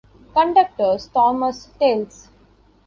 Conductor's Thomas Tales.